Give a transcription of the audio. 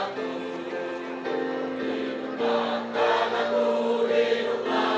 bersih merakyat kerja